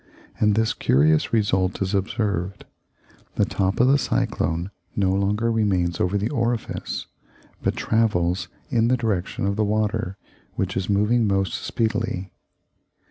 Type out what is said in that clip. And this curious result is observed: the top of the cyclone no longer remains over the orifice, but travels in the direction of the water which is moving most speedily.